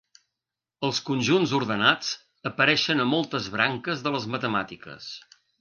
Els conjunts ordenats apareixen a moltes branques de les matemàtiques.